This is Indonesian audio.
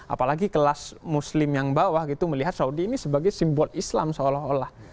apalagi kelas muslim yang bawah gitu melihat saudi ini sebagai simbol islam seolah olah